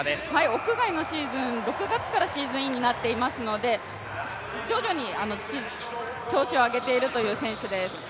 屋外のシーズン６月からシーズンインになっていますので徐々に調子を上げているという選手です。